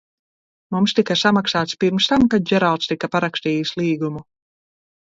Mums tika samaksāts pirms tam, kad Džeralds tika parakstījis līgumu?